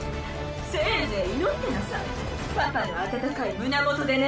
せいぜい祈ってなさいパパの温かい胸元でね。